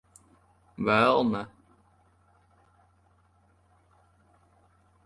Vēl ne.